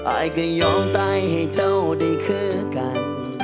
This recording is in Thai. อายก็ยอมตายให้เจ้าได้คือกัน